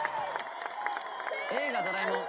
『映画ドラえもん』